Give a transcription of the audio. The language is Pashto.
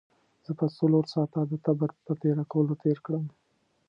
زه به څلور ساعته د تبر په تېره کولو تېر کړم.